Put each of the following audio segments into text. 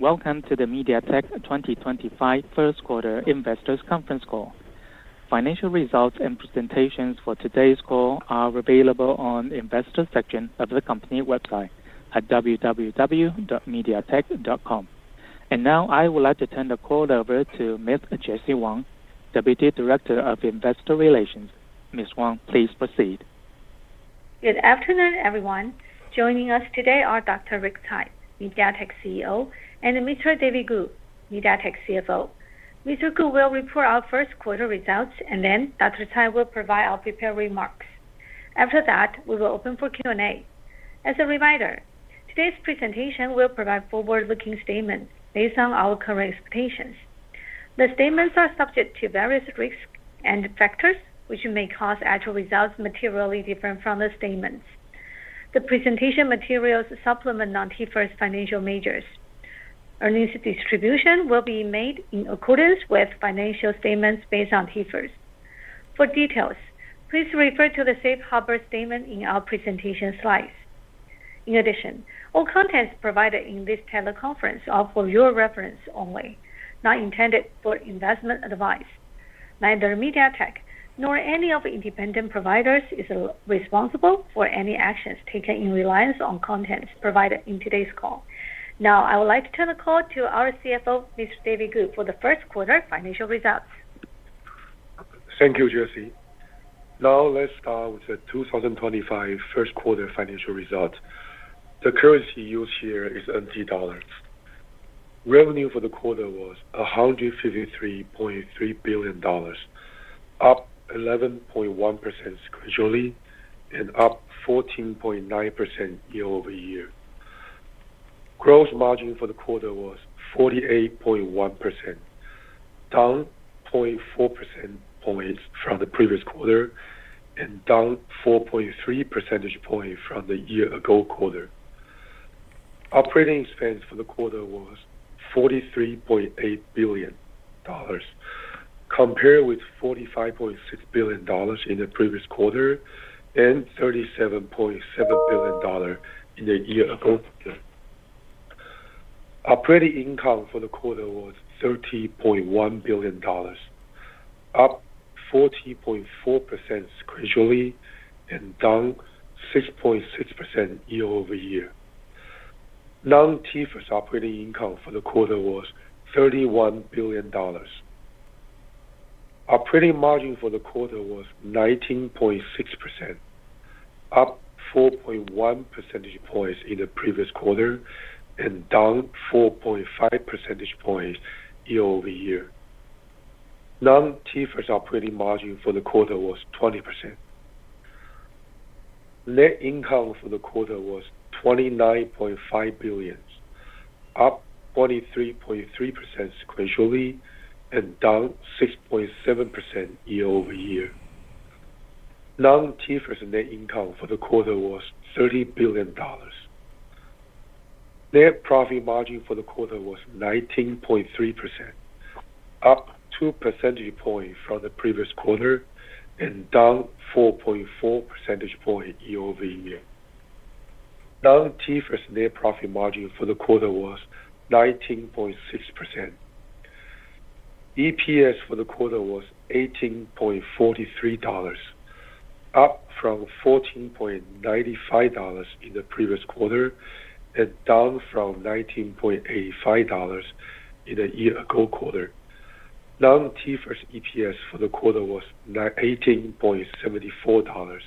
Welcome to the MediaTek 2025 First Quarter Investors' Conference Call. Financial results and presentations for today's call are available on the Investors' Section of the company website at www.mediatek.com. I would like to turn the call over to Ms. Jessie Wang, Deputy Director of Investor Relations. Ms. Wang, please proceed. Good afternoon, everyone. Joining us today are Dr. Rick Tsai, MediaTek CEO, and Mr. David Ku, MediaTek CFO. Mr. Ku will report our Q1 results, and then Dr. Tsai will provide our prepared remarks. After that, we will open for Q&A. As a reminder, today's presentation will provide forward-looking statements based on our current expectations. The statements are subject to various risks and factors, which may cause actual results materially different from the statements. The presentation materials supplement non-TIFRS financial measures. Earnings distribution will be made in accordance with financial statements based on TIFRS. For details, please refer to the safe harbor statement in our presentation slides. In addition, all contents provided in this teleconference are for your reference only, not intended for investment advice. Neither MediaTek nor any of the independent providers is responsible for any actions taken in reliance on contents provided in today's call. Now, I would like to turn the call to our CFO, Mr. David Ku, for the first quarter financial results. Thank you, Jessie. Now let's start with the 2025 Q1 financial results. The currency used here is NT dollars. Revenue for the quarter was NT$153.3 billion, up 11.1% quarterly, and up 14.9% year-over-year. Gross margin for the quarter was 48.1%, down 0.4 percentage points from the previous quarter, and down 4.3 percentage points from the year-ago quarter. Operating expense for the quarter was NT$43.8 billion, compared with NT$45.6 billion in the previous quarter and NT$37.7 billion in the year-ago quarter. Operating income for the quarter was NT$30.1 billion, up 40.4% quarterly, and down 6.6% year-over-year. Non-TIFRS operating income for the quarter was NT$31 billion. Operating margin for the quarter was 19.6%, up 4.1 percentage points in the previous quarter, and down 4.5 percentage points year-over-year. Non-TIFRS operating margin for the quarter was 20%. Net income for the quarter was NT$29.5 billion, up 23.3% quarterly, and down 6.7% year-over-year. Non-TIFSR net income for the quarter was NT$30 billion. Net profit margin for the quarter was 19.3%, up 2 percentage points from the previous quarter, and down 4.4 percentage points year-over-year. Non-TIFSR net profit margin for the quarter was 19.6%. EPS for the quarter was NT$18.43, up from NT$14.95 in the previous quarter, and down from NT$19.85 in the year-ago quarter. Non-TIFSR EPS for the quarter was NT$18.74.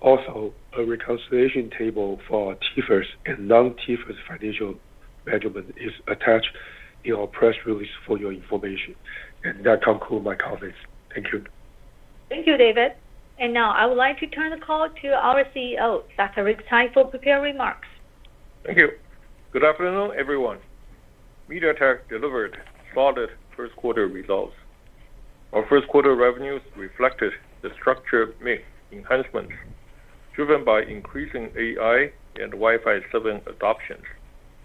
Also, a reconciliation table for TIFSR and non-TIFSR financial measurement is attached in our press release for your information. That concludes my comments. Thank you. Thank you, David. I would like to turn the call to our CEO, Dr. Rick Tsai, for prepared remarks. Thank you. Good afternoon, everyone. MediaTek delivered solid Q1 results. Our Q1 revenues reflected the structured mix enhancements driven by increasing AI and Wi-Fi 7 adoptions,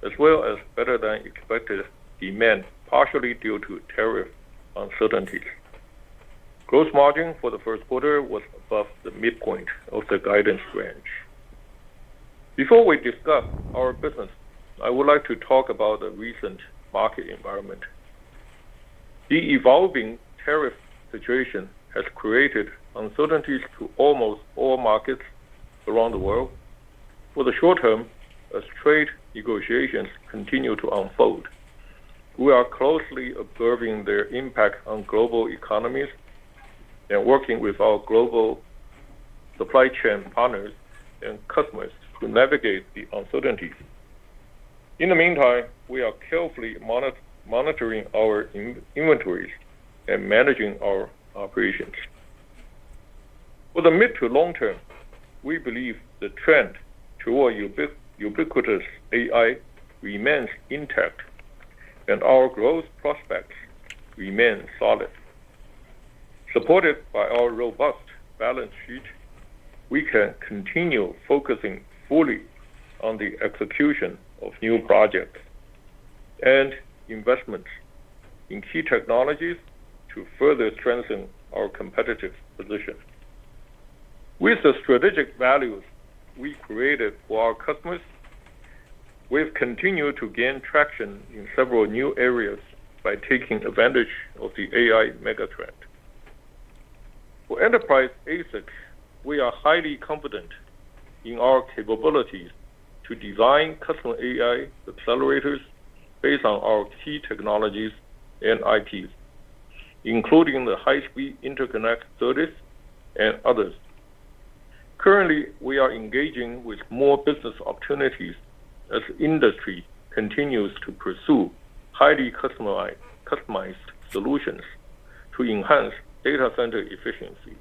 as well as better-than-expected demand, partially due to tariff uncertainties. Gross margin for the Q1 was above the midpoint of the guidance range. Before we discuss our business, I would like to talk about the recent market environment. The evolving tariff situation has created uncertainties to almost all markets around the world. For the short term, as trade negotiations continue to unfold, we are closely observing their impact on global economies and working with our global supply chain partners and customers to navigate the uncertainties. In the meantime, we are carefully monitoring our inventories and managing our operations. For the mid to long term, we believe the trend toward ubiquitous AI remains intact, and our growth prospects remain solid. Supported by our robust balance sheet, we can continue focusing fully on the execution of new projects and investments in key technologies to further strengthen our competitive position. With the strategic values we created for our customers, we've continued to gain traction in several new areas by taking advantage of the AI megatrend. For enterprise ASICs, we are highly confident in our capabilities to design customer AI accelerators based on our key technologies and IPs, including the high-speed interconnect SerDes and others. Currently, we are engaging with more business opportunities as the industry continues to pursue highly customized solutions to enhance data center efficiency.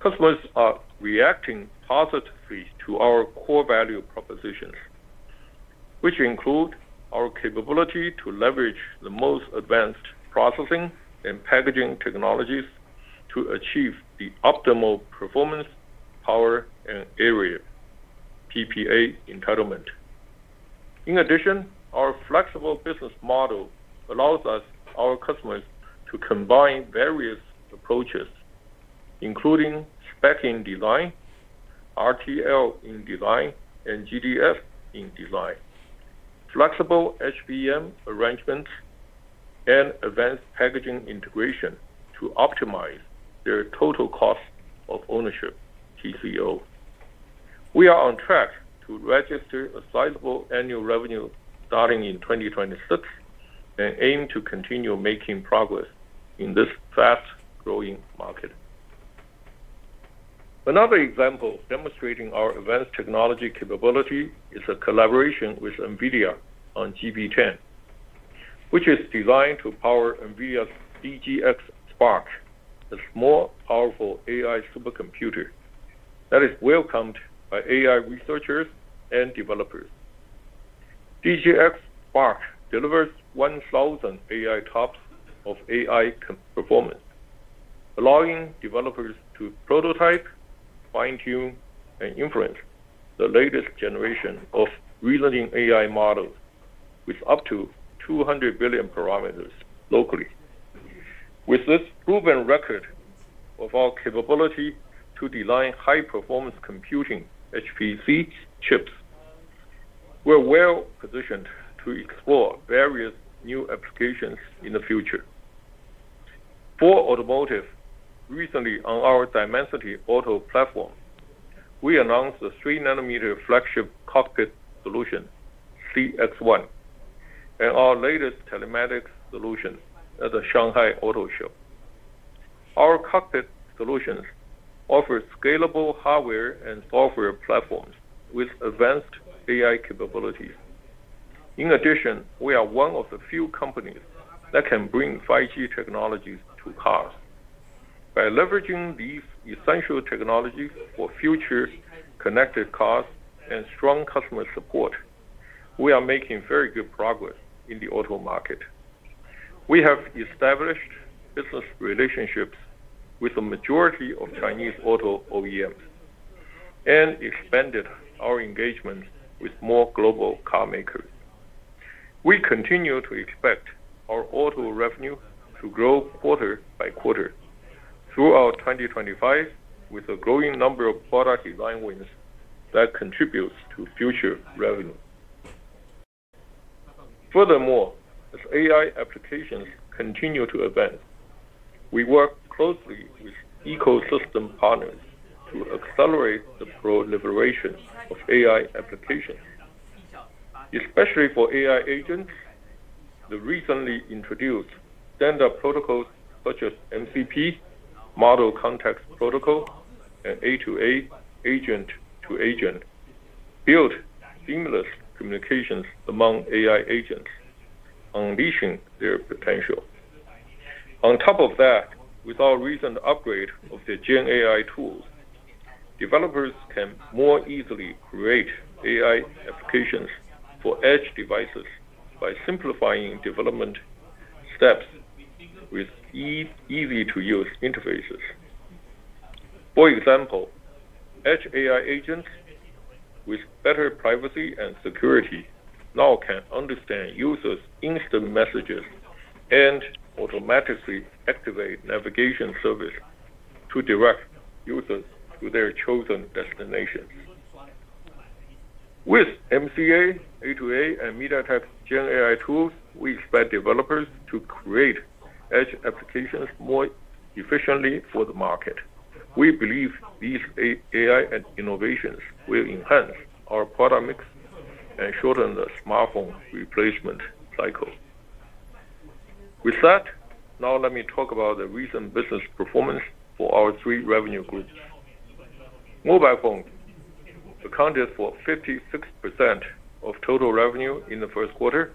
Customers are reacting positively to our core value propositions, which include our capability to leverage the most advanced processing and packaging technologies to achieve the optimal performance, power, and area (PPA) entitlement. In addition, our flexible business model allows our customers to combine various approaches, including Spec-in design, RTL-in design, and GDSII-in design, flexible HBM arrangements, and advanced packaging integration to optimize their total cost of ownership (TCO). We are on track to register a sizable annual revenue starting in 2026 and aim to continue making progress in this fast-growing market. Another example demonstrating our advanced technology capabil ity is a collaboration with NVIDIA on Uncertain, which is designed to power NVIDIA's DGX Spark, a small, powerful AI supercomputer that is welcomed by AI researchers and developers. DGX Spark delivers 1,000 AI TOPS of AI performance, allowing developers to prototype, fine-tune, and inference the latest generation of reasoning AI models with up to 200 billion parameters locally. With this proven record of our capability to design high-performance computing HPC chips, we're well positioned to explore various new applications in the future. For automotive, recently on our Dimensity Auto platform, we announced the 3-nanometer flagship cockpit solution, CX-1, and our latest telematics solution at the Shanghai Auto Show. Our cockpit solutions offer scalable hardware and software platforms with advanced AI capabilities. In addition, we are one of the few companies that can bring 5G technologies to cars. By leveraging these essential technologies for future connected cars and strong customer support, we are making very good progress in the auto market. We have established business relationships with the majority of Chinese auto OEMs and expanded our engagement with more global car makers. We continue to expect our auto revenue to grow quarter by quarter throughout 2025, with a growing number of product design wins that contribute to future revenue. Furthermore, as AI applications continue to advance, we work closely with ecosystem partners to accelerate the proliferation of AI applications, especially for AI agents. The recently introduced standard protocols such as MCP, Model Context Protocol, and A2A agent-to-agent build seamless communications among AI agents, unleashing their potential. On top of that, with our recent upgrade of the GenAI tools, developers can more easily create AI applications for edge devices by simplifying development steps with easy-to-use interfaces. For example, edge AI agents with better privacy and security now can understand users' instant messages and automatically activate navigation service to direct users to their chosen destinations. With MCP, A2A, and MediaTek GenAI tools, we expect developers to create edge applications more efficiently for the market. We believe these AI innovations will enhance our product mix and shorten the smartphone replacement cycle. With that, now let me talk about the recent business performance for our three revenue groups. Mobile phones accounted for 56% of total revenue in the first quarter,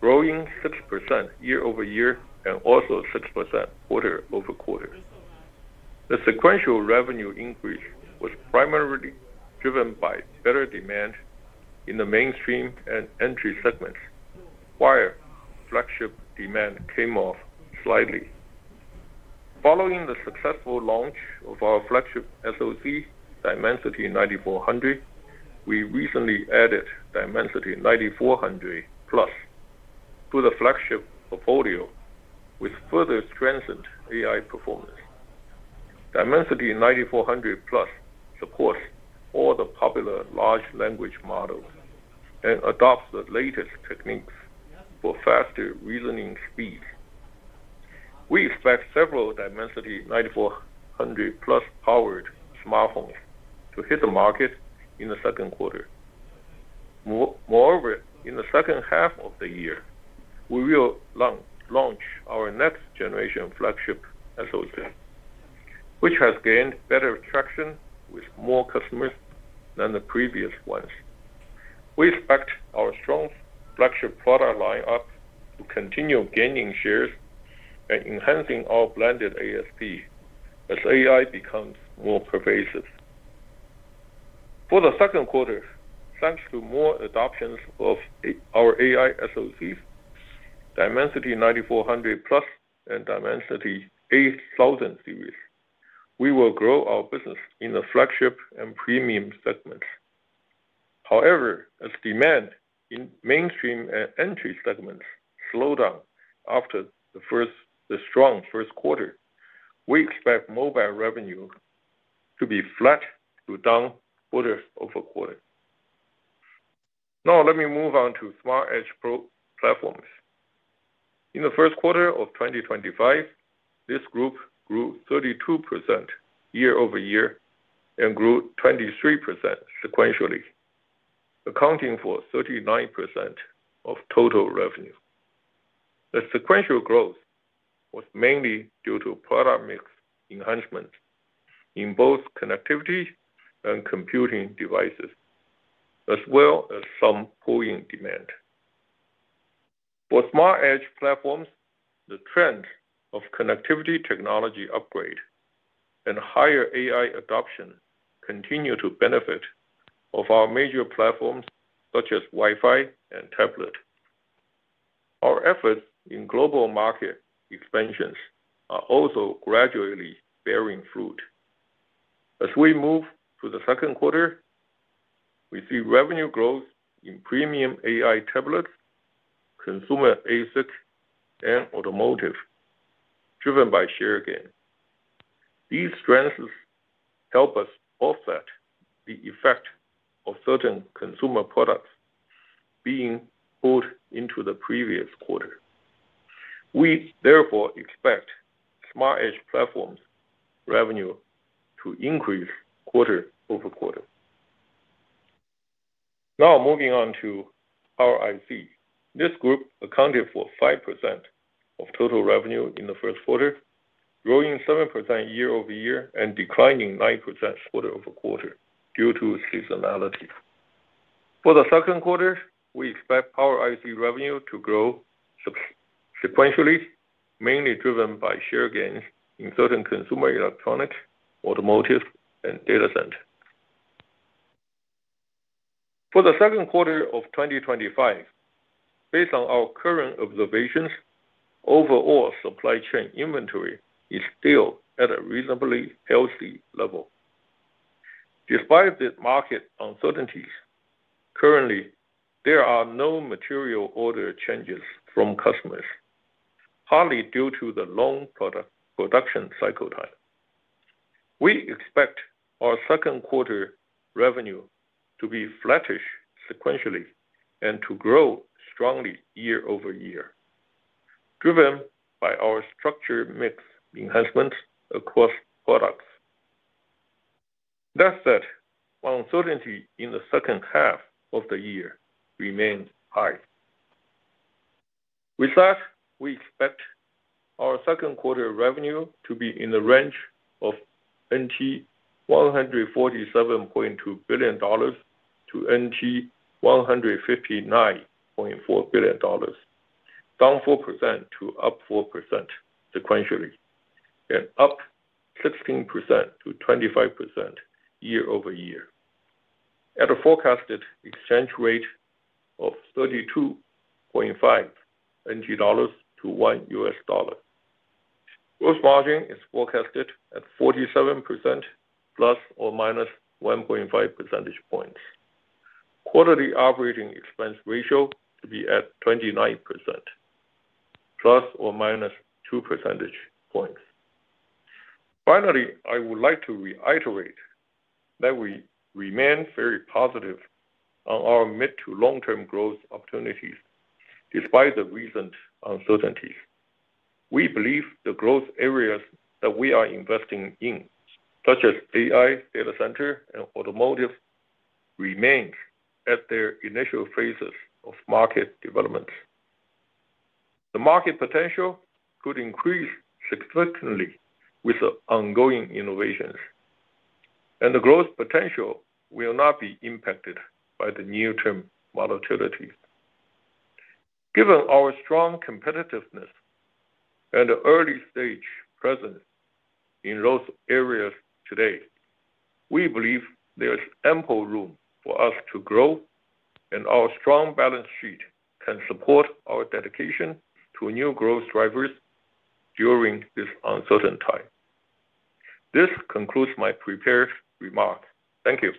growing 6% year over year and also 6% quarter over quarter. The sequential revenue increase was primarily driven by better demand in the mainstream and entry segments, while flagship demand came off slightly. Following the successful launch of our flagship SoC, Dimensity 9400, we recently added Dimensity 9400 Plus to the flagship portfolio, which further strengthened AI performance. Dimensity 9400 Plus supports all the popular large language models and adopts the latest techniques for faster reasoning speeds. We expect several Dimensity 9400 Plus-powered smartphones to hit the market in the Q2 Moreover, in the second half of the year, we will launch our next-generation flagship SoC, which has gained better traction with more customers than the previous ones. We expect our strong flagship product lineup to continue gaining shares and enhancing our blended ASP as AI becomes more pervasive. For the Q2, thanks to more adoptions of our AI SoCs, Dimensity 9400 Plus, and Dimensity 8000 series, we will grow our business in the flagship and premium segments. However, as demand in mainstream and entry segments slowed down after the strong Q1, we expect mobile revenue to be flat to down quarter over quarter. Now let me move on to smart edge platforms. In theQ1 of 2025, this group grew 32% year over year and grew 23% sequentially, accounting for 39% of total revenue. The sequential growth was mainly due to product mix enhancements in both connectivity and computing devices, as well as some pooling demand. For smart edge platforms, the trend of connectivity technology upgrade and higher AI adoption continue to benefit our major platforms such as Wi-Fi and tablet. Our efforts in global market expansions are also gradually bearing fruit. As we move to the Q2, we see revenue growth in premium AI tablets, consumer ASICs, and automotive driven by share gain. These trends help us offset the effect of certain consumer products being pulled into the previous quarter. We therefore expect smart edge platforms' revenue to increase quarter over quarter. Now moving on to Power IC. This group accounted for 5% of total revenue in the first quarter, growing 7% year over year and declining 9% quarter over quarter due to seasonality. For the Q2, we expect our IC revenue to grow sequentially, mainly driven by share gains in certain consumer electronics, automotive, and data center. For the Q2 of 2025, based on our current observations, overall supply chain inventory is still at a reasonably healthy level. Despite the market uncertainties, currently, there are no material order changes from customers, partly due to the long production cycle time. We expect our Q2 revenue to be flattish sequentially and to grow strongly year-over-year, driven by our structure mix enhancements across products. That said, uncertainty in the second half of the year remains high. With that, we expect our second quarter revenue to be in the range of 147.2 billion-159.4 billion NT, down 4% to up 4% sequentially, and up 16%-25% year over year, at a forecasted exchange rate of 32.5 dollars to $1. Gross margin is forecasted at 47% plus or minus 1.5 percentage points. Quarterly operating expense ratio to be at 29% plus or minus 2 percentage points. Finally, I would like to reiterate that we remain very positive on our mid to long-term growth opportunities despite the recent uncertainties. We believe the growth areas that we are investing in, such as AI data center and automotive, remain at their initial phases of market development. The market potential could increase significantly with ongoing innovations, and the growth potential will not be impacted by the near-term volatilities. Given our strong competitiveness and early-stage presence in those areas today, we believe there is ample room for us to grow, and our strong balance sheet can support our dedication to new growth drivers during this uncertain time. This concludes my prepared remarks. Thank you.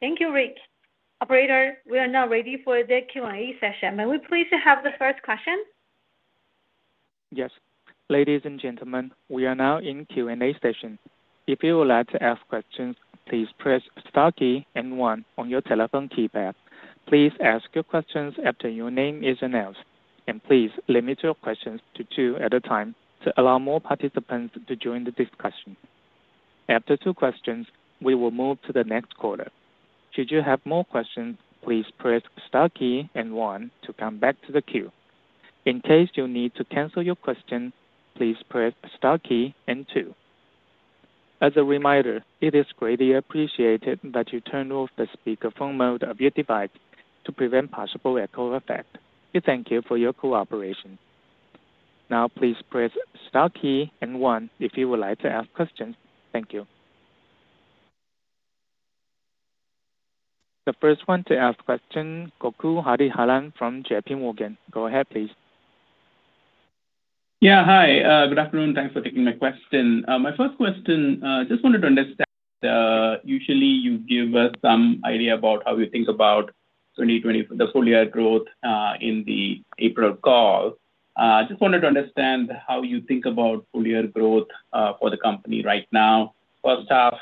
Thank you, Rick. Operator, we are now ready for the Q&A session. May we please have the first question? Yes.Ladies and gentlemen, we are now in Q&A session. If you would like to ask questions, please press star key N1 on your telephone keypad. Please ask your questions after your name is announced, and please limit your questions to two at a time to allow more participants to join the discussion. After two questions, we will move to the next quarter. Should you have more questions, please press star key N1 to come back to the queue. In case you need to cancel your question, please press star key N2. As a reminder, it is greatly appreciated that you turn off the speakerphone mode of your device to prevent possible echo effect. We thank you for your cooperation. Now, please press star key N1 if you would like to ask questions. Thank you. The first one to ask question, Gokul Hariharan from JP Morgan. Go ahead, please. Yeah, hi. Good afternoon. Thanks for taking my question. My first question, I just wanted to understand. Usually, you give us some idea about how you think about the full-year growth in the April call. I just wanted to understand how you think about full-year growth for the company right now. First half,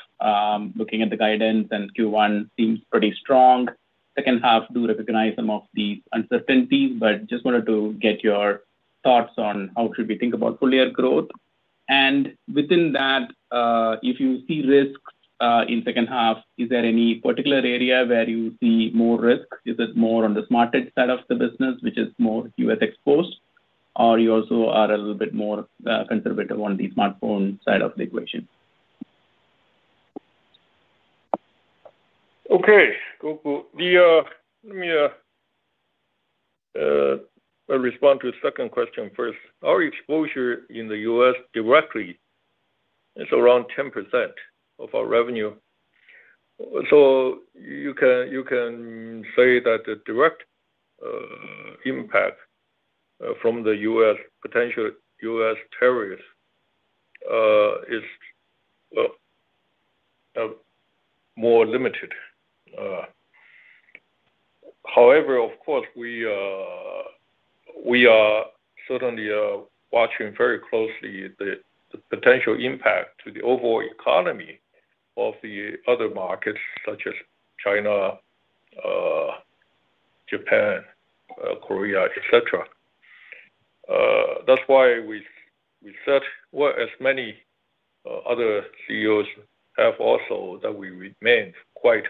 looking at the guidance and Q1, seems pretty strong. Second half, do recognize some of the uncertainties, but just wanted to get your thoughts on how should we think about full-year growth. And within that, if you see risks in second half, is there any particular area where you see more risk? Is it more on the smart edge side of the business, which is more US exposed, or you also are a little bit more conservative on the smartphone side of the equation? Okay. Let me respond to the second question first. Our exposure in the U.S. directly is around 10% of our revenue. You can say that the direct impact from the U.S. potential U.S. tariffs is more limited. However, of course, we are certainly watching very closely the potential impact to the overall economy of the other markets, such as China, Japan, Korea, etc. That is why we said, as many other CEOs have also, that we remain quite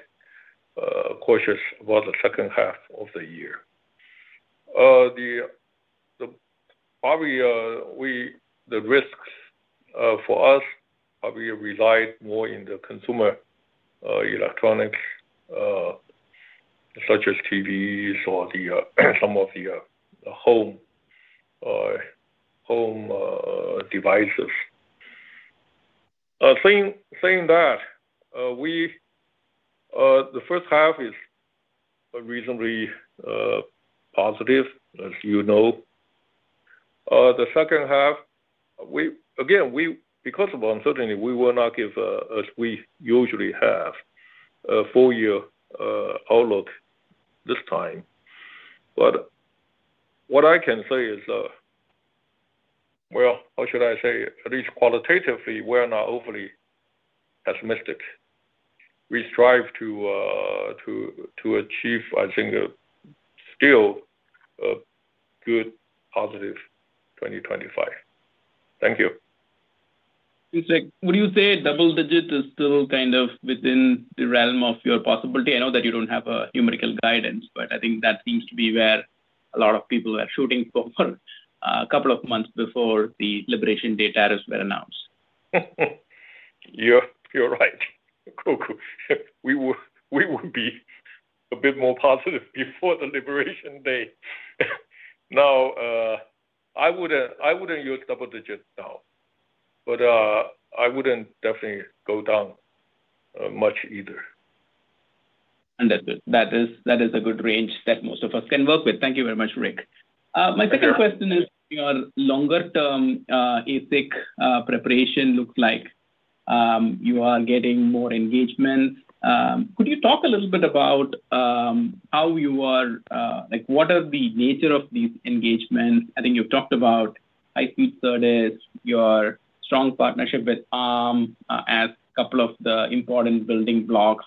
cautious about the second half of the year. The risks for us probably relied more in the consumer electronics, such as TVs or some of the home devices. Saying that, the first half is reasonably positive, as you know. The second half, again, because of uncertainty, we will not give, as we usually have, a full-year outlook this time. What I can say is, how should I say it? At least qualitatively, we are not overly pessimistic. We strive to achieve, I think, still a good, positive 2025. Thank you. Would you say double digit is still kind of within the realm of your possibility? I know that you do not have a numerical guidance, but I think that seems to be where a lot of people are shooting for a couple of months before the Liberation Day tariffs were announced. You are right. We would be a bit more positive before the Liberation Day. Now, I would not use double digit now, but I would not definitely go down much either. Understood. That is a good range that most of us can work with. Thank you very much, Rick. My second question is, your longer-term ASIC preparation looks like you are getting more engagements. Could you talk a little bit about how you are? What are the nature of these engagements? I think you've talked about high-speed service, your strong partnership with ARM as a couple of the important building blocks.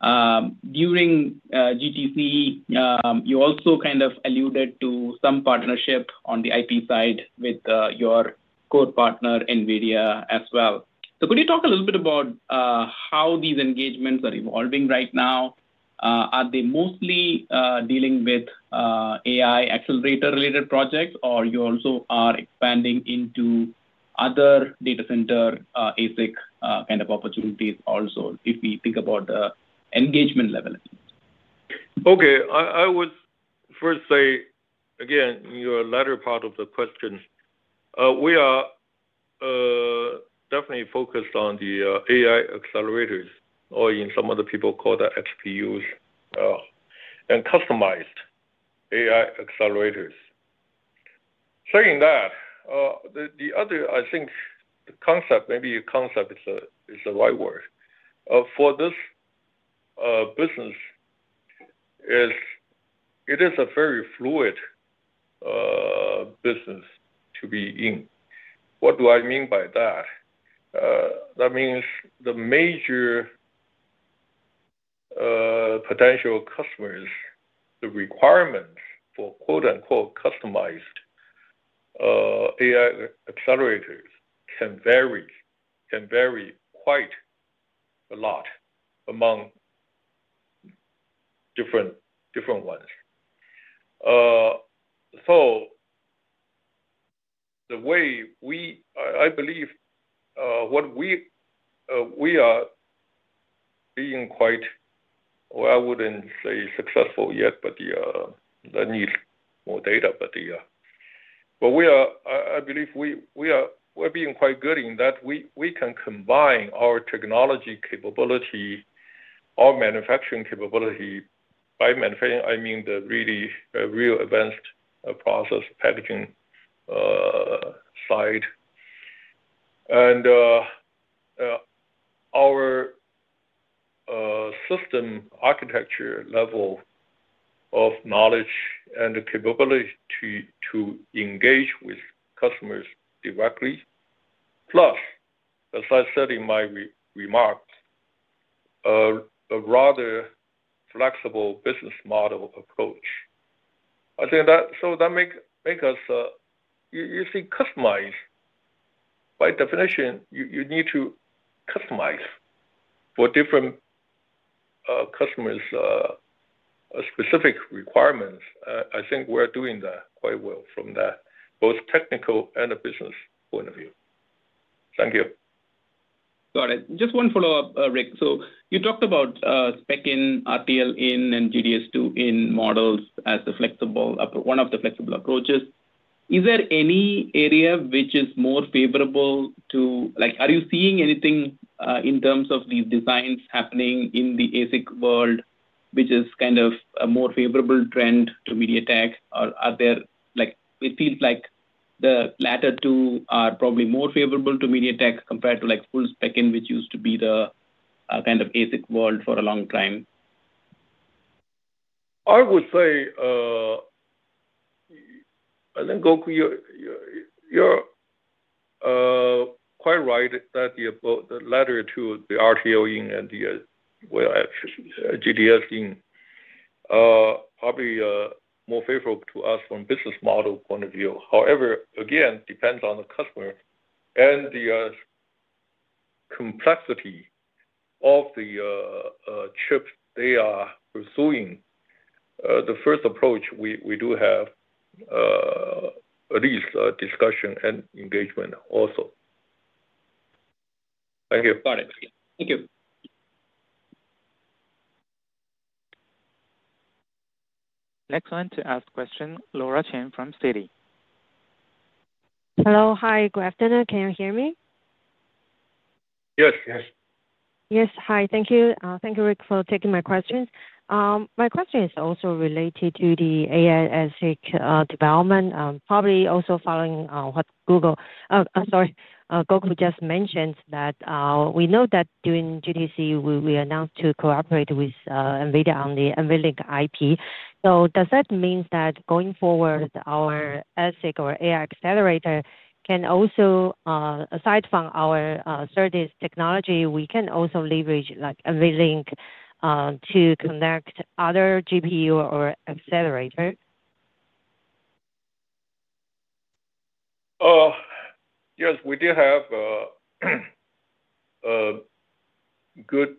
During GTC, you also kind of alluded to some partnership on the IP side with your core partner, NVIDIA, as well. Could you talk a little bit about how these engagements are evolving right now? Are they mostly dealing with AI accelerator-related projects, or you also are expanding into other data center ASIC kind of opportunities also, if we think about the engagement level? Okay. I would first say, again, your latter part of the question, we are definitely focused on the AI accelerators, or in some other people call that XPUs, and customized AI accelerators. Saying that, the other, I think, concept, maybe concept is the right word for this business, is it is a very fluid business to be in. What do I mean by that? That means the major potential customers, the requirements for quote-unquote customized AI accelerators can vary quite a lot among different ones. The way we, I believe what we are being quite, I would not say successful yet, but the need for data. I believe we are being quite good in that we can combine our technology capability, our manufacturing capability—by manufacturing, I mean the really real advanced process packaging side—and our system architecture level of knowledge and the capability to engage with customers directly, plus, as I said in my remarks, a rather flexible business model approach. I think that makes us, you see, customize. By definition, you need to customize for different customers' specific requirements. I think we are doing that quite well from both a technical and a business point of view. Thank you. Got it. Just one follow-up, Rick.You talked about spec in, RTL in, and GDSII in models as one of the flexible approaches. Is there any area which is more favorable to? Are you seeing anything in terms of these designs happening in the ASIC world, which is kind of a more favorable trend to MediaTek, or are there? It seems like the latter two are probably more favorable to MediaTek compared to full spec in, which used to be the kind of ASIC world for a long time. I would say, I think Gokul, you're quite right that the latter two, the RTL in and the GDSII in, are probably more favorable to us from a business model point of view. However, again, it depends on the customer and the complexity of the chips they are pursuing. The first approach, we do have at least a discussion and engagement also. Thank you. Got it. Thank you. Next one to ask question, Laura Chen from Citi. Hello. Hi. Good afternoon. Can you hear me? Yes. Yes. Yes. Hi. Thank you. Thank you, Rick, for taking my questions. My question is also related to the AI ASIC development, probably also following what Gokul just mentioned that we know that during GTC, we announced to cooperate with NVIDIA on the NVLink IP. Does that mean that going forward, our ASIC or AI accelerator can also, aside from our service technology, we can also leverage NVLink to connect other GPU or accelerator? Yes. We did have a good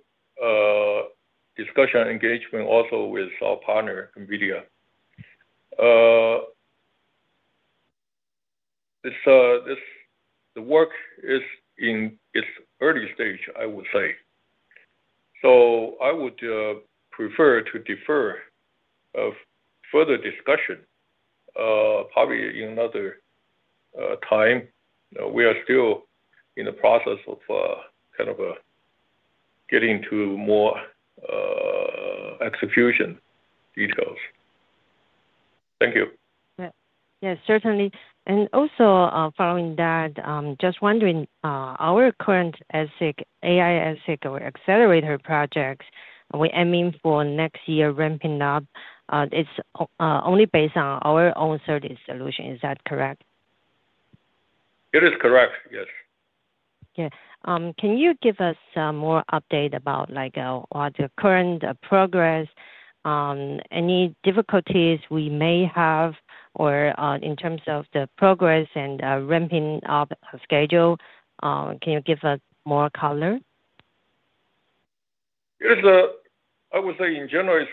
discussion engagement also with our partner, NVIDIA. The work is in its early stage, I would say. I would prefer to defer further discussion probably in another time. We are still in the process of kind of getting to more execution details. Thank you. Yeah. Certainly.Also, following that, just wondering, our current AI ASIC or accelerator projects, we are aiming for next year ramping up, it's only based on our own service solution. Is that correct? It is correct. Yes. Okay. Can you give us more update about the current progress, any difficulties we may have, or in terms of the progress and ramping up schedule? Can you give us more color? I would say in general,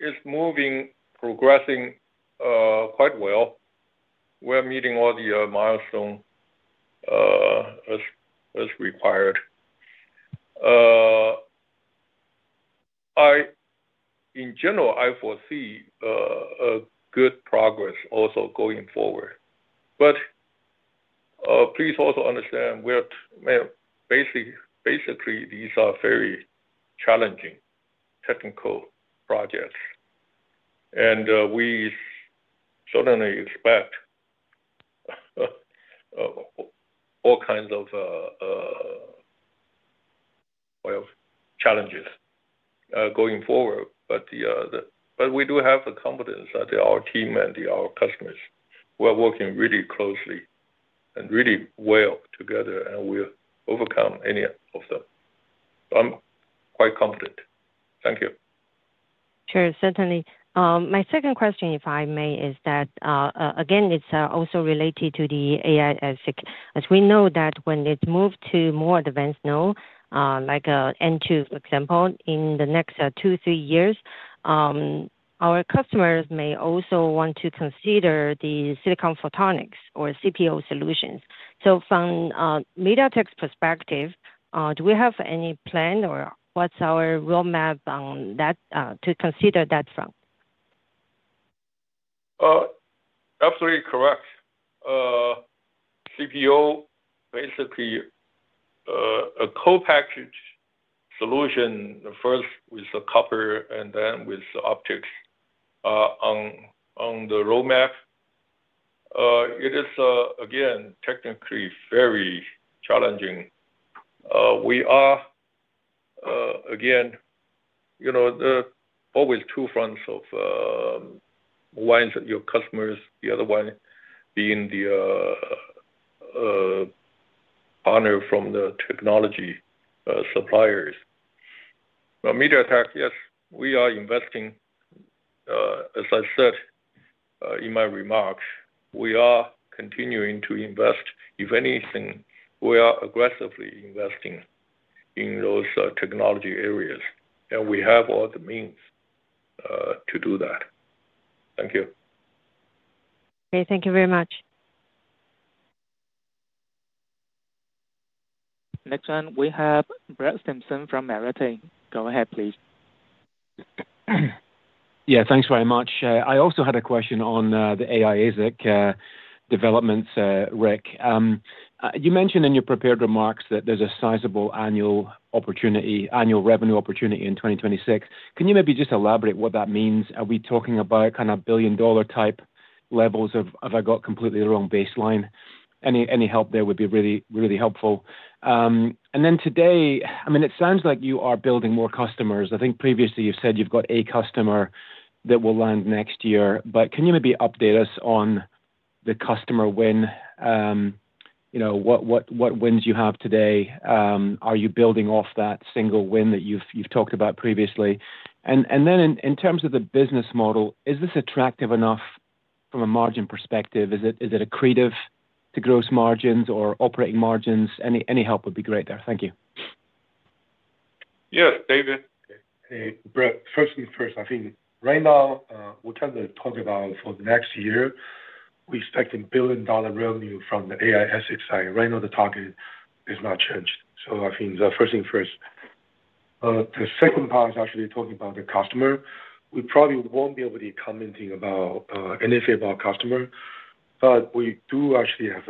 it's moving, progressing quite well. We're meeting all the milestones as required. In general, I foresee good progress also going forward. Please also understand, basically, these are very challenging technical projects. We certainly expect all kinds of challenges going forward. We do have the confidence that our team and our customers, we're working really closely and really well together, and we'll overcome any of them. I'm quite confident. Thank you. Sure. Certainly.My second question, if I may, is that, again, it's also related to the AI ASIC. As we know that when it moves to more advanced nodes, like N2, for example, in the next two, three years, our customers may also want to consider the silicon photonics or CPO solutions. From MediaTek's perspective, do we have any plan or what's our roadmap to consider that from? Absolutely correct. CPO, basically, a co-packaged solution, first with the copper and then with the optics on the roadmap. It is, again, technically very challenging. We are, again, always two fronts of one is your customers, the other one being the partner from the technology suppliers. MediaTek, yes, we are investing, as I said in my remarks, we are continuing to invest. If anything, we are aggressively investing in those technology areas. We have all the means to do that. Thank you. Okay. Thank you very much. Next one, we have Brett Simpson from Arete. Go ahead, please. Yeah. Thanks very much. I also had a question on the AI ASIC developments, Rick. You mentioned in your prepared remarks that there's a sizable annual revenue opportunity in 2026. Can you maybe just elaborate what that means? Are we talking about kind of billion-dollar type levels? Have I got completely the wrong baseline? Any help there would be really, really helpful. I mean, it sounds like you are building more customers. I think previously you've said you've got a customer that will land next year. Can you maybe update us on the customer win? What wins you have today? Are you building off that single win that you've talked about previously? In terms of the business model, is this attractive enough from a margin perspective? Is it accretive to gross margins or operating margins? Any help would be great there. Thank you. Yes. David. Okay. Hey, Brad. First things first. I think right now, whatever we talk about for the next year, we expect a $1 billion revenue from the AI ASIC side. Right now, the target is not changed. I think the first thing first. The second part is actually talking about the customer. We probably won't be able to comment about anything about customer. We do actually have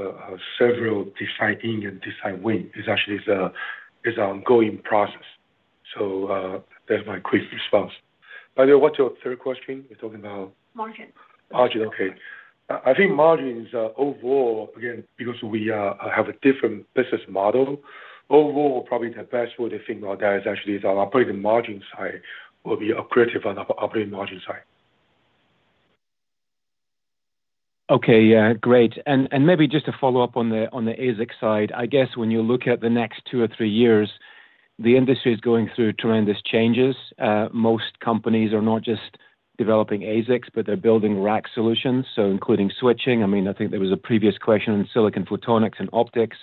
several deciding and decide wins. It's actually an ongoing process. That's my quick response. By the way, what's your third question? You're talking about? Margin. Margin. Okay. I think margins overall, again, because we have a different business model, overall, probably the best way to think about that is actually on the operating margin side will be accretive on the operating margin side. Okay. Yeah. Great. Maybe just to follow up on the ASIC side, I guess when you look at the next two or three years, the industry is going through tremendous changes. Most companies are not just developing ASICs, but they're building rack solutions, including switching. I mean, I think there was a previous question on silicon photonics and optics.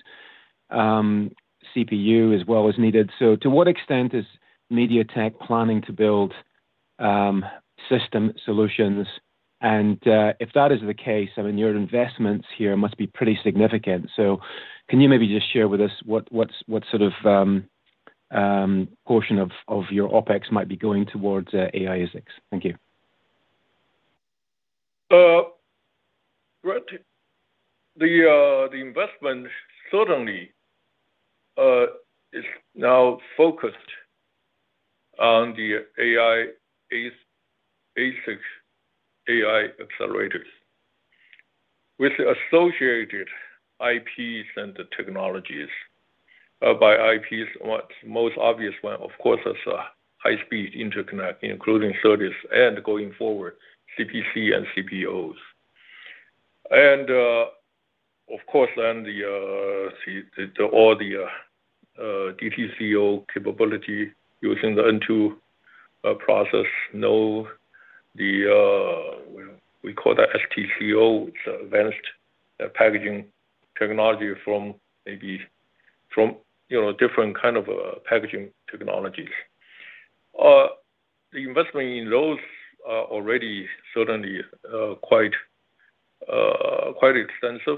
CPU as well is needed. To what extent is MediaTek planning to build system solutions? If that is the case, I mean, your investments here must be pretty significant. Can you maybe just share with us what sort of portion of your optics might be going towards AI ASICs? Thank you. Brad, the investment certainly is now focused on the AI ASIC, AI accelerators, with the associated IPs and the technologies by IPs.The most obvious one, of course, is high-speed interconnect, including service and going forward, CPC and CPO. Of course, then all the DTCO capability using the N2 process. No, we call that STCO. It is advanced packaging technology from maybe different kinds of packaging technologies. The investment in those is already certainly quite extensive.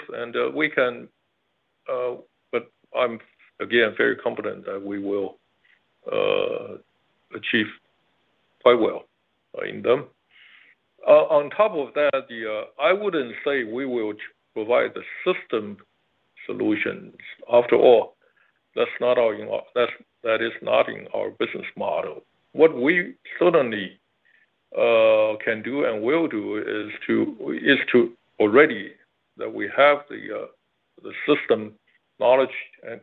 I am again very confident that we will achieve quite well in them. On top of that, I would not say we will provide the system solutions. After all, that is not in our business model. What we certainly can do and will do is to already that we have the system knowledge and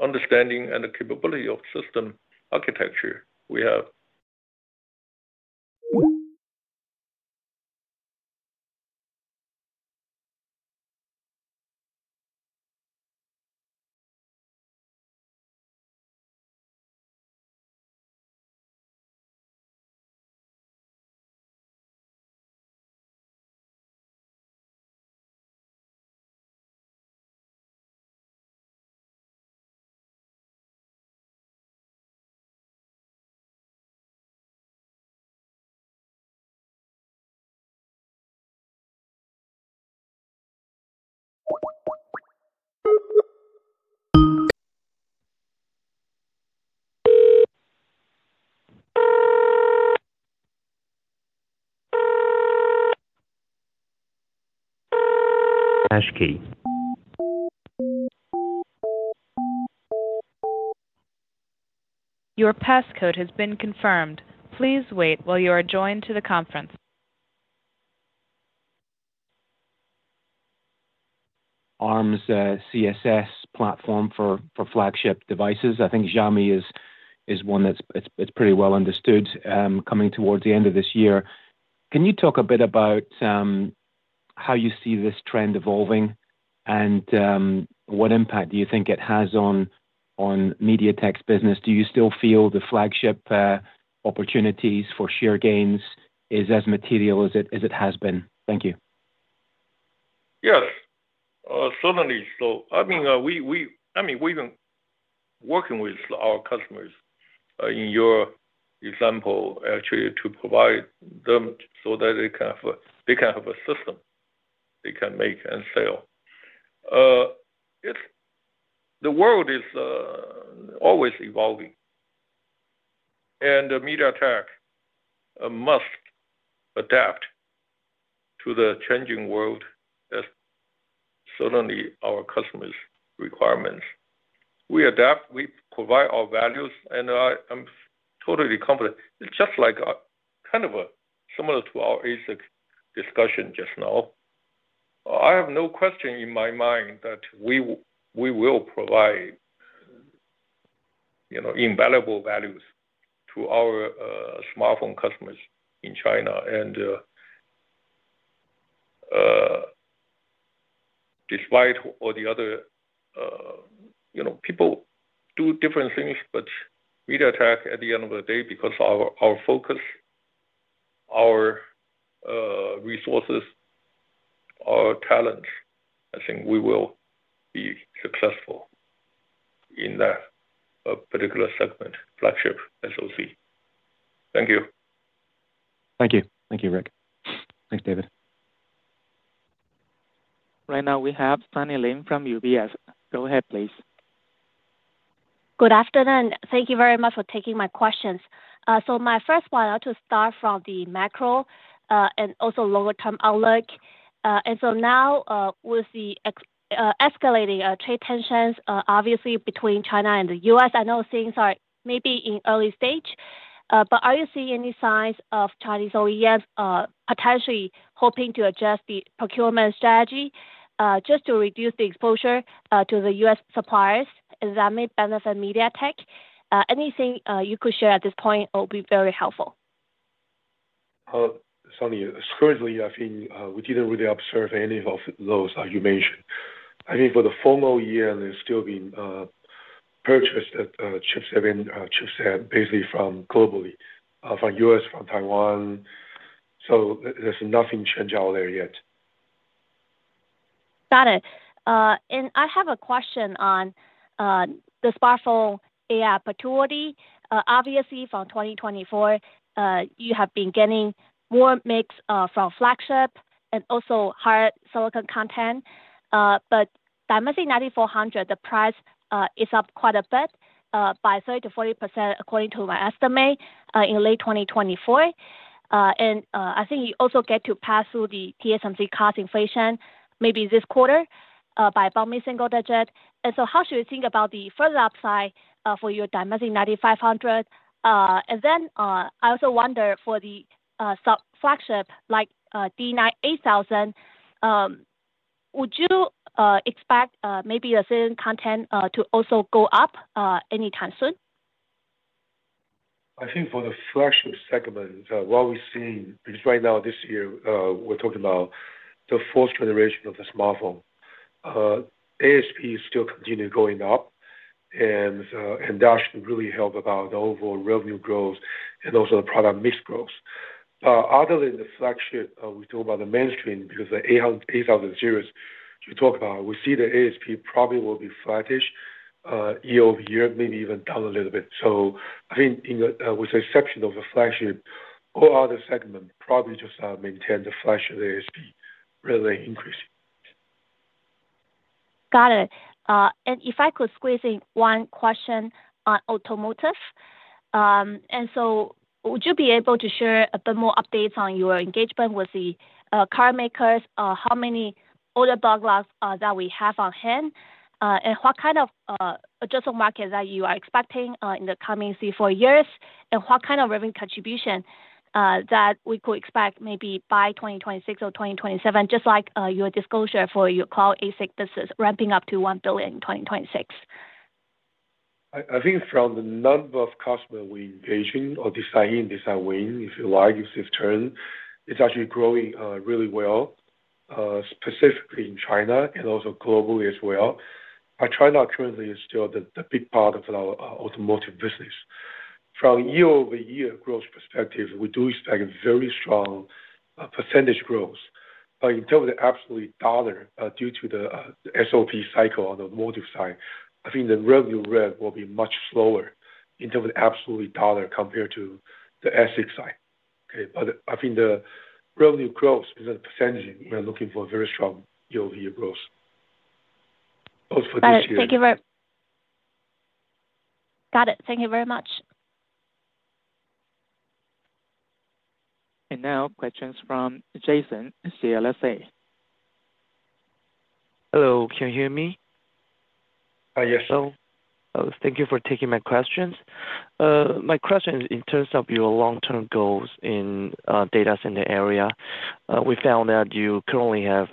understanding and the capability of system architecture we have. Ashky. Your passcode has been confirmed. Please wait while you are joined to the conference. ARM's CSS platform for flagship devices.I think Xiaomi is one that's pretty well understood coming towards the end of this year. Can you talk a bit about how you see this trend evolving and what impact do you think it has on MediaTek's business? Do you still feel the flagship opportunities for sheer gains is as material as it has been? Thank you. Yes. Certainly. I mean, we've been working with our customers in your example, actually, to provide them so that they can have a system they can make and sell. The world is always evolving. MediaTek must adapt to the changing world as certainly our customers' requirements. We adapt. We provide our values. I'm totally confident. It's just kind of similar to our ASIC discussion just now. I have no question in my mind that we will provide invaluable values to our smartphone customers in China. Despite all the other people do different things, but MediaTek, at the end of the day, because of our focus, our resources, our talents, I think we will be successful in that particular segment, flagship SoC. Thank you. Thank you. Thank you, Rick. Thanks, David. Right now, we have Sunny Lin from UBS. Go ahead, please. Good afternoon. Thank you very much for taking my questions. My first point, I'll just start from the macro and also longer-term outlook. Now, with the escalating trade tensions, obviously, between China and the U.S., I know things are maybe in early stage. Are you seeing any signs of Chinese OEMs potentially hoping to adjust the procurement strategy just to reduce the exposure to the U.S. suppliers? Is that may benefit MediaTek? Anything you could share at this point will be very helpful. Certainly, certainly, I think we did not really observe any of those you mentioned. I think for the formal year, they are still being purchased at chips basically from globally, from U.S., from Taiwan. There is nothing changed out there yet. Got it. I have a question on the smartphone AI pursuity. Obviously, from 2024, you have been getting more mix from flagship and also higher silicon content. Dimensity 9400, the price is up quite a bit by 30-40% according to my estimate, in late 2024. I think you also get to pass through the TSMC cost inflation maybe this quarter by about mid-single digit. How should we think about the further upside for your Dimensity 9500? I also wonder for the flagship like D98000, would you expect maybe the silicon content to also go up anytime soon? I think for the flagship segment, what we're seeing right now this year, we're talking about the fourth generation of the smartphone. ASP is still continuing to go up. That should really help about the overall revenue growth and also the product mix growth. Other than the flagship, we talk about the mainstream because the 8000 series, you talk about, we see the ASP probably will be flattish year-over-year, maybe even down a little bit. I think with the exception of the flagship, all other segments probably just maintain the flagship ASP rather than increasing. Got it. If I could squeeze in one question on automotive. Would you be able to share a bit more updates on your engagement with the car makers, how many order backlogs that we have on hand, and what kind of adjustment market that you are expecting in the coming three or four years, and what kind of revenue contribution that we could expect maybe by 2026 or 2027, just like your disclosure for your cloud ASIC business ramping up to $1 billion in 2026? I think from the number of customers we're engaging or deciding to decide win, if you like, if this turn, it's actually growing really well, specifically in China and also globally as well. China currently is still the big part of our automotive business. From year-over-year growth perspective, we do expect very strong % growth. In terms of the absolute dollar, due to the SOP cycle on the automotive side, I think the revenue rate will be much slower in terms of the absolute dollar compared to the ASIC side. I think the revenue growth is a percentage. We're looking for very strong year-over-year growth both for this year. Thank you very much. Got it. Thank you very much. Now, questions from Jason CLSA. Hello. Can you hear me? Yes. Hello. Thank you for taking my questions. My question is in terms of your long-term goals in the data center area. We found that you currently have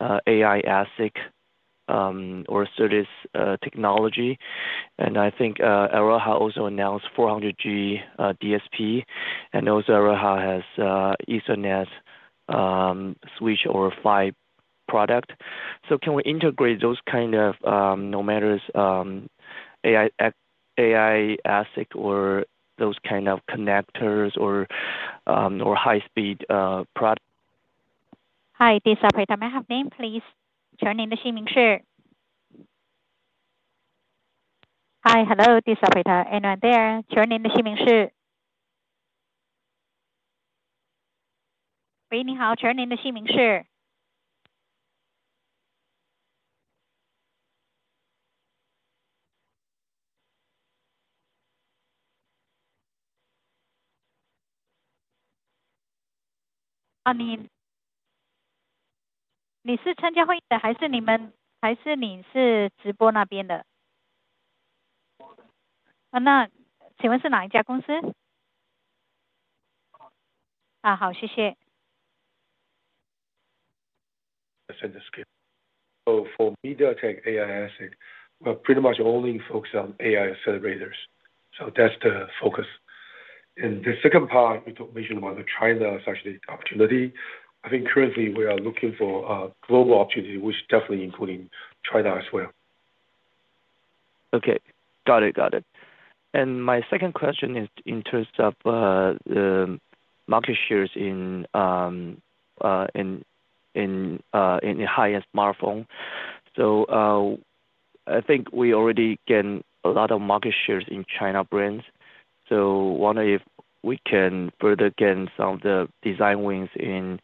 AI ASIC or service technology. I think Airoha also announced 400G DSP. Also, Airoha has Ethernet switch or fi product. Can we integrate those kind of, no matter AI ASIC or those kind of connectors or high-speed product? Hi.This is Arete. May I have name, please? Joining the Ximing Shi. Hi. Hello. This is Arete. Anyone there? Joining the Ximing Shi. Waiting. How? Joining the Ximing Shi. 你是参加会议的还是你们还是你是直播那边的？ 那请问是哪一家公司？ 好。好。谢谢. Percentage gap. For MediaTek AI ASIC, we're pretty much only focused on AI accelerators. That is the focus. The second part, we talked a bit about the China slash the opportunity. I think currently, we are looking for a global opportunity, which definitely including China as well. Okay. Got it. Got it. My second question is in terms of the market shares in high-end smartphone. I think we already gained a lot of market shares in China brands. I wonder if we can further gain some of the design wins in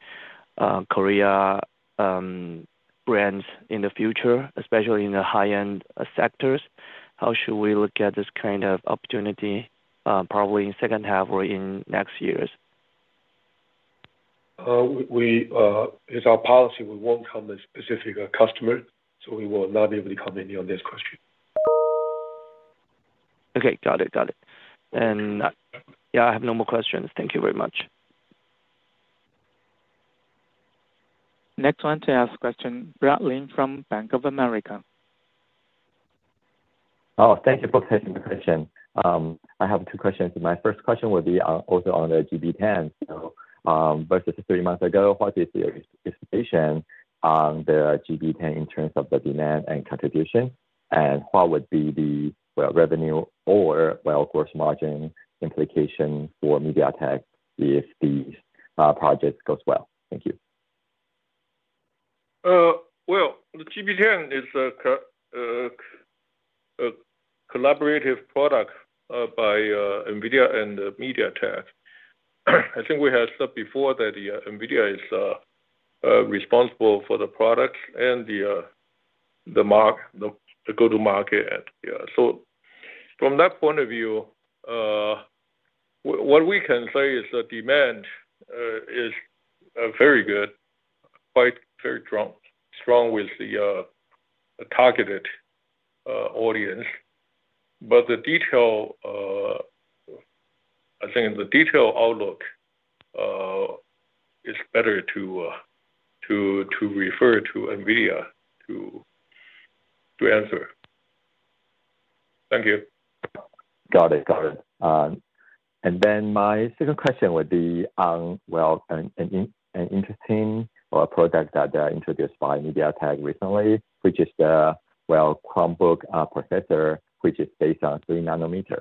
Korea brands in the future, especially in the high-end sectors. How should we look at this kind of opportunity probably in second half or in next years? It's our policy. We won't come with specific customers. So we will not be able to comment on this question. Okay. Got it. Got it. Yeah, I have no more questions. Thank you very much. Next one to ask question, Brad Lin from Bank of America. Oh, thank you for taking the question. I have two questions. My first question would be also on the GB10. Versus three months ago, what is the expectation on the GB10 in terms of the demand and contribution? What would be the revenue or, well, gross margin implication for MediaTek if these projects go well? Thank you. The GB10 is a collaborative product by NVIDIA and MediaTek. I think we had said before that NVIDIA is responsible for the products and the go-to-market. From that point of view, what we can say is the demand is very good, quite very strong with the targeted audience. I think the detailed outlook is better to refer to NVIDIA to answer. Thank you. Got it. Got it. My second question would be on, an interesting product that they introduced by MediaTek recently, which is the, Chromebook processor, which is based on 3 nanometer.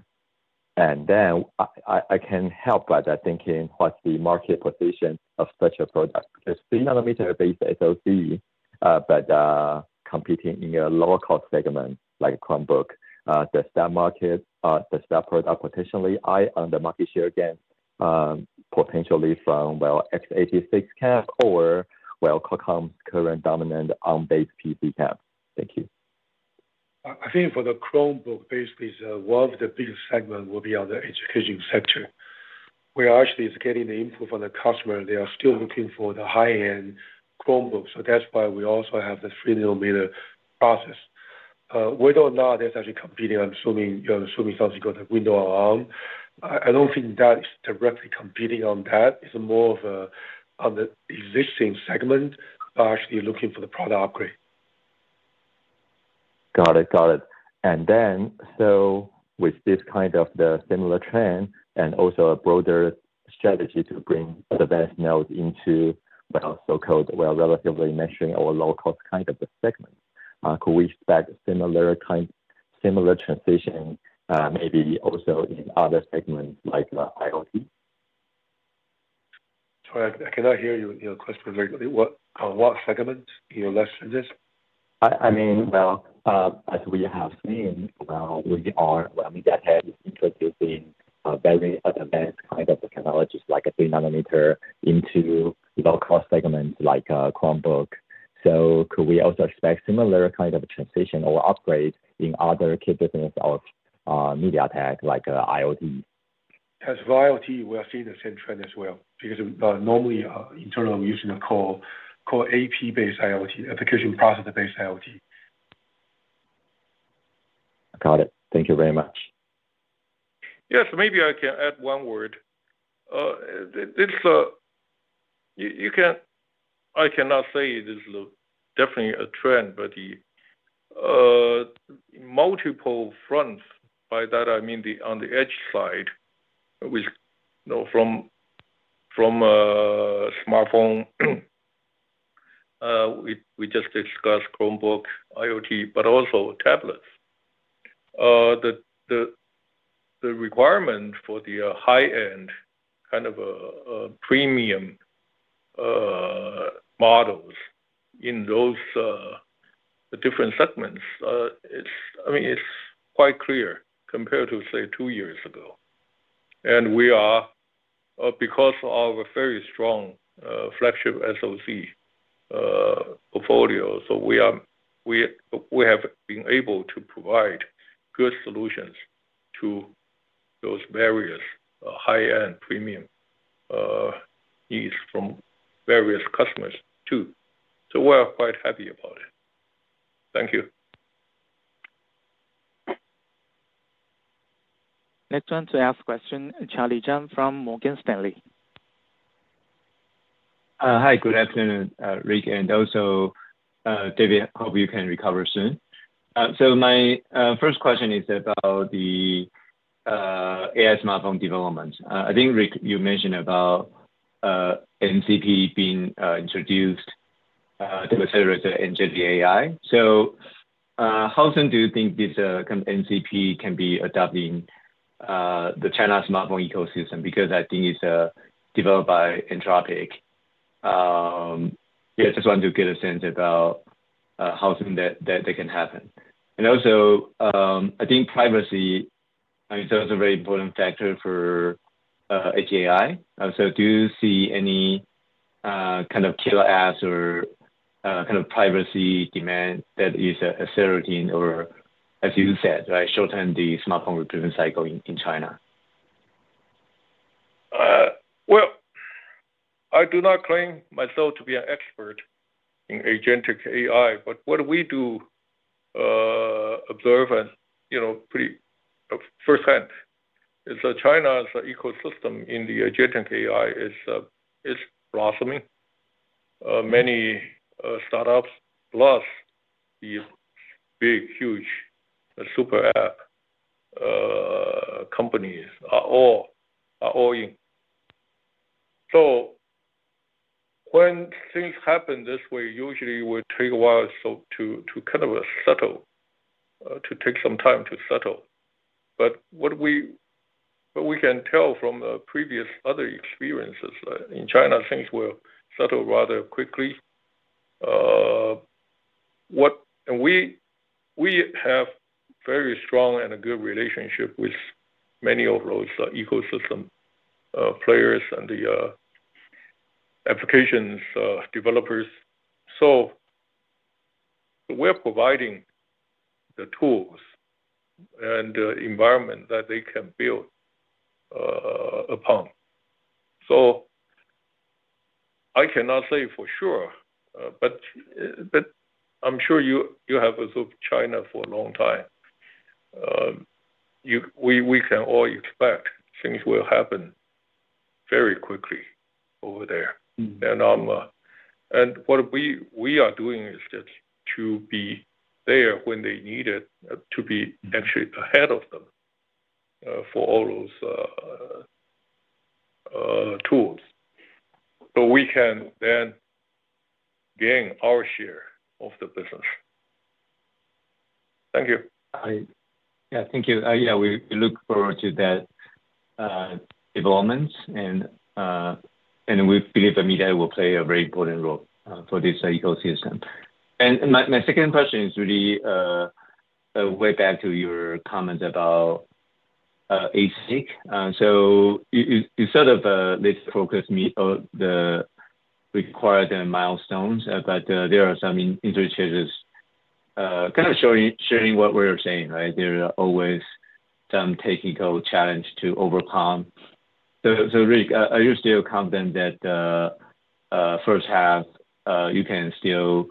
I can help by thinking what's the market position of such a product. It's 3 nanometer-based SoC, but competing in a lower-cost segment like Chromebook. Does that market, does that product potentially eye on the market share gain potentially from, x86 camp or, Qualcomm's current dominant ARM-based PC cap? Thank you. I think for the Chromebook, basically, one of the biggest segments will be on the education sector. We are actually getting the input from the customer. They are still looking for the high-end Chromebook. That is why we also have the 3 nanometer process. Whether or not they are actually competing, I am assuming you are assuming something called the Windows ARM. I do not think that is directly competing on that. It is more of an existing segment, but actually looking for the product upgrade. Got it. Got it. With this kind of similar trend and also a broader strategy to bring the best nodes into, so-called, relatively mainstream or low-cost kind of a segment, could we expect similar transition maybe also in other segments like IoT? Sorry, I cannot hear your question very clearly. What segment? Your last sentence? I mean, as we have seen, MediaTek is introducing very advanced kind of technologies like a 3 nanometer into low-cost segments like Chromebook.Could we also expect similar kind of transition or upgrade in other key businesses of MediaTek like IoT? As for IoT, we'll see the same trend as well because normally internal, we're using a core AP-based IoT, application processor-based IoT. Got it. Thank you very much. Yes. Maybe I can add one word. I cannot say it is definitely a trend, but in multiple fronts, by that I mean on the edge side, from smartphone, we just discussed Chromebook, IoT, but also tablets. The requirement for the high-end kind of premium models in those different segments, I mean, it's quite clear compared to, say, two years ago. Because of a very strong flagship SoC portfolio, we have been able to provide good solutions to those various high-end premium needs from various customers too. We're quite happy about it. Thank you. Next one to ask question, Charlie Chan from Morgan Stanley. Hi. Good afternoon, Rick. And also, David, hope you can recover soon. My first question is about the AI smartphone development. I think, Rick, you mentioned about NCP being introduced, the accelerator, and GenAI. How soon do you think this kind of NCP can be adopted in the China smartphone ecosystem? I think it is developed by Anthropic. Yeah, just want to get a sense about how soon that can happen. I think privacy, I mean, it is a very important factor for HAI. Do you see any kind of killer apps or kind of privacy demand that is accelerating or, as you said, right, shorten the smartphone recruitment cycle in China? I do not claim myself to be an expert in agentic AI, but what we do observe pretty firsthand is that China's ecosystem in the agentic AI is blossoming. Many startups, plus these big, huge super app companies, are all in. When things happen this way, usually it will take a while to kind of settle, to take some time to settle. What we can tell from previous other experiences, in China, things will settle rather quickly. We have a very strong and a good relationship with many of those ecosystem players and the applications developers. We are providing the tools and the environment that they can build upon. I cannot say for sure, but I am sure you have also China for a long time. We can all expect things will happen very quickly over there. What we are doing is just to be there when they need it, to be actually ahead of them for all those tools so we can then gain our share of the business. Thank you. Yeah. Thank you. Yeah. We look forward to that development. We believe that MediaTek will play a very important role for this ecosystem. My second question is really way back to your comments about ASIC. You sort of focused me on the required milestones, but there are some interchanges kind of sharing what we're saying, right? There are always some technical challenges to overcome. Rick, are you still confident that first half, you can still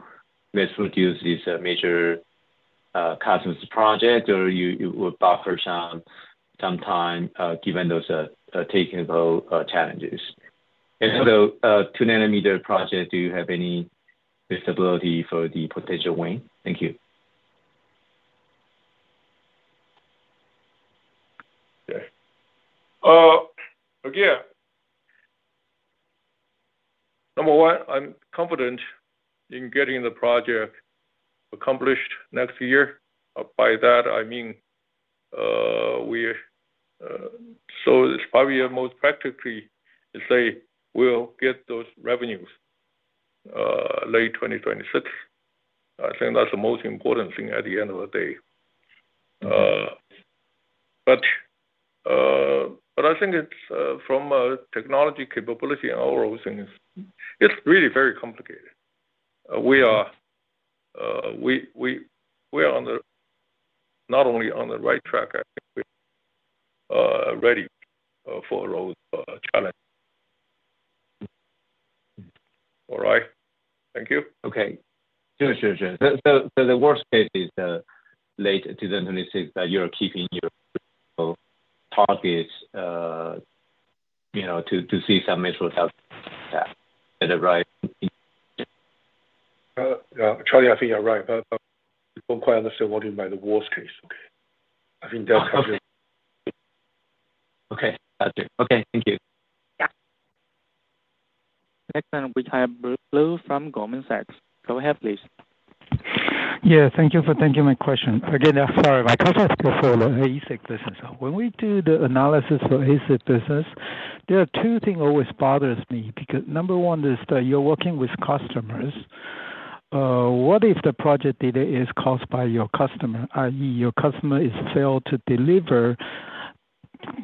produce these major customers' projects, or you will buffer some time given those technical challenges? For the 2 nanometer project, do you have any visibility for the potential win? Thank you. Okay.Again, number one, I'm confident in getting the project accomplished next year. By that, I mean we, so it's probably most practical to say we'll get those revenues late 2026. I think that's the most important thing at the end of the day. I think from a technology capability and all those things, it's really very complicated. We are not only on the right track, I think we're ready for those challenges. All right. Thank you. Okay. Sure, sure, sure. The worst case is late 2026 that you're keeping your targets to see some measure of health data, right? Charlie, I think you're right, but I don't quite understand what you mean by the worst case. I think that's how you're— Okay. Got you. Okay. Thank you. Next one, we have Unknown from Goldman Sachs. Go ahead, please. Yeah. Thank you for taking my question. Again, sorry, my question is for the ASIC business. When we do the analysis for ASIC business, there are two things always bother me. Number one is that you're working with customers. What if the project delay is caused by your customer, i.e., your customer fails to deliver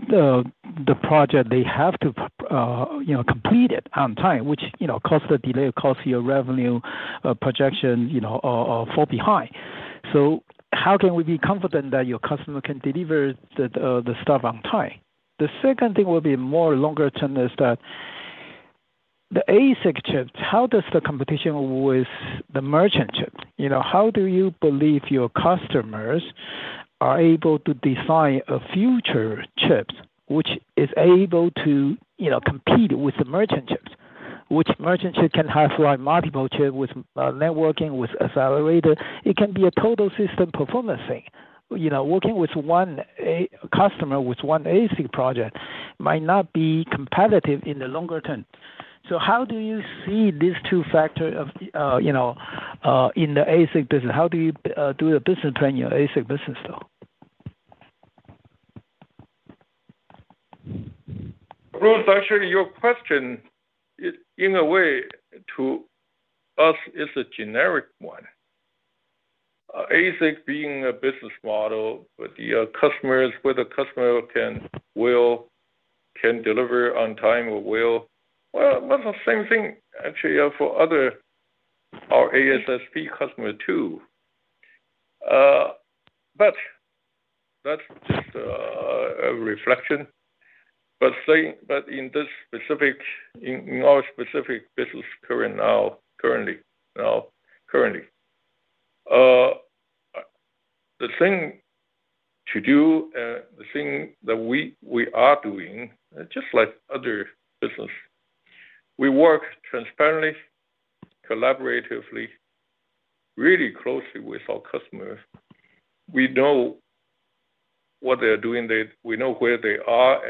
the project, they have to complete it on time, which causes the delay, causes your revenue projection fall behind? How can we be confident that your customer can deliver the stuff on time? The second thing will be more longer term is that the ASIC chips, how does the competition with the merchant chips? How do you believe your customers are able to design a future chip which is able to compete with the merchant chips? Which merchant chip can have multiple chips with networking, with accelerator? It can be a total system performance thing. Working with one customer with one ASIC project might not be competitive in the longer term. How do you see these two factors in the ASIC business? How do you do the business plan in your ASIC business, though? Actually, your question in a way to us is a generic one. ASIC being a business model, but the customers, whether customer can deliver on time or will, well, that is the same thing actually for our ASSP customer too. That is just a reflection. In our specific business currently, the thing to do and the thing that we are doing, just like other business, we work transparently, collaboratively, really closely with our customers. We know what they are doing. We know where they are.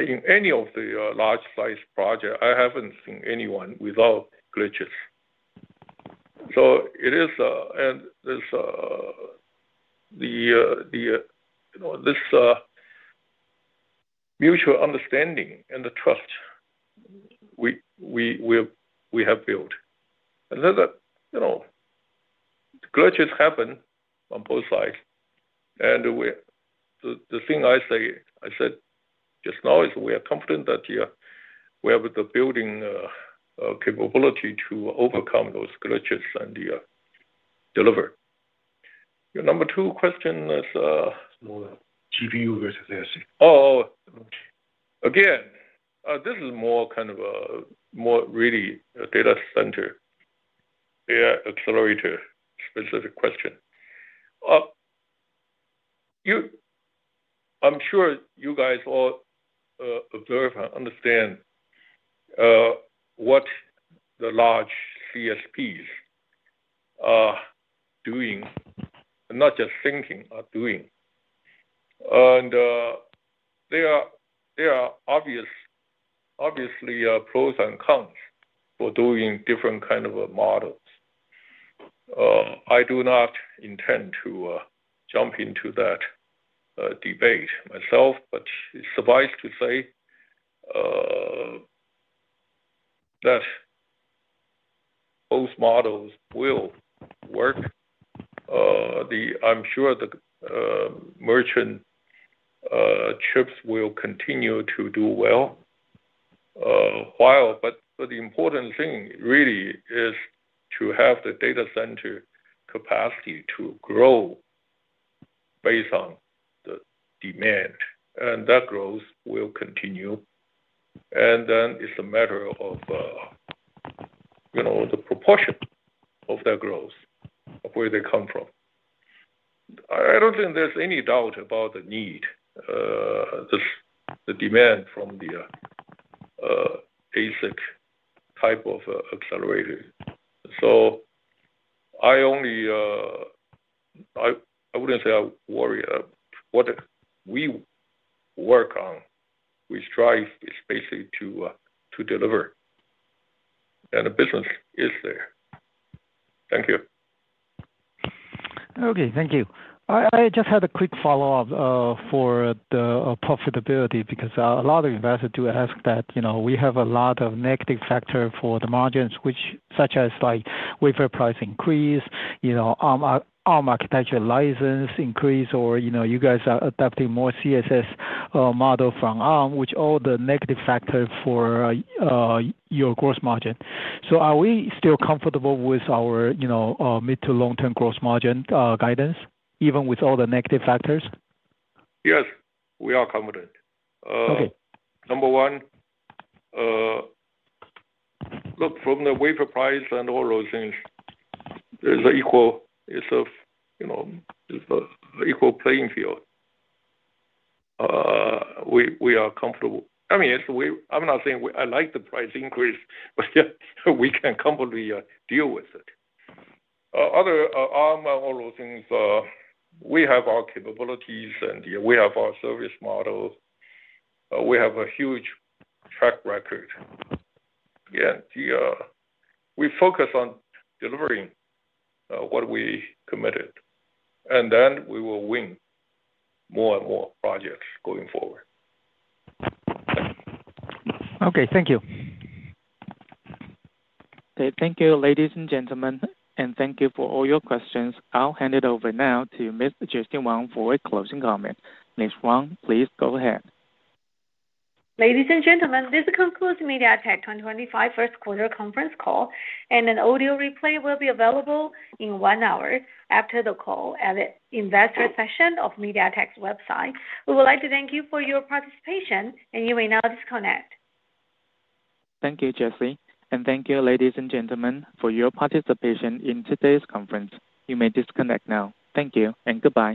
In any of the large-sized projects, I have not seen anyone without glitches. It is this mutual understanding and the trust we have built. The glitches happen on both sides. The thing I said just now is we are confident that we have the building capability to overcome those glitches and deliver. Your number two question is, smaller. GPU versus ASIC. Oh, okay. This is more kind of a more really data center, accelerator specific question. I'm sure you guys all observe and understand what the large CSPs are doing, not just thinking, are doing. There are obviously pros and cons for doing different kinds of models. I do not intend to jump into that debate myself, but it suffices to say that both models will work. I'm sure the merchant chips will continue to do well. The important thing really is to have the data center capacity to grow based on the demand. That growth will continue. It is a matter of the proportion of that growth, of where they come from. I do not think there is any doubt about the need, the demand from the ASIC type of accelerator. I would not say I worry. What we work on, we strive basically to deliver. The business is there. Thank you. Thank you. I just had a quick follow-up for the profitability because a lot of investors do ask that. We have a lot of negative factors for the margins, such as wafer price increase, ARM architecture license increase, or you are adopting more CSS model from ARM, which are all the negative factors for your gross margin. Are we still comfortable with our mid to long-term gross margin guidance, even with all the negative factors? Yes. We are confident. Number one, look, from the wafer price and all those things, there's an equal playing field. We are comfortable. I mean, I'm not saying I like the price increase, but we can comfortably deal with it. Other ARM and all those things, we have our capabilities, and we have our service model. We have a huge track record. Again, we focus on delivering what we committed. Then we will win more and more projects going forward. Okay. Thank you. Okay. Thank you, ladies and gentlemen. And thank you for all your questions. I'll hand it over now to Mr. Jessie Wang for a closing comment. Ms. Wang, please go ahead. Ladies and gentlemen, this concludes MediaTek 2025 first quarter conference call. An audio replay will be available in one hour after the call at the investor session of MediaTek's website. We would like to thank you for your participation, and you may now disconnect.. Thank you, Jessie. Thank you, ladies and gentlemen, for your participation in today's conference. You may disconnect now. Thank you, and goodbye.